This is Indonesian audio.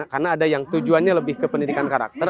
karena ada yang tujuannya lebih ke pendidikan karakter